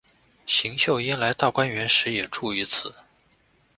邢岫烟来大观园时也住于此。